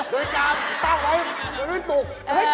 โดยการตั้งไว้โดยต้น